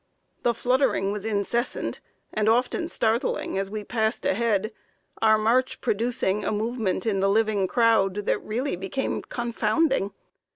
"The fluttering was incessant, and often startling as we passed ahead, our march producing a movement in the living crowd, that really became confounding.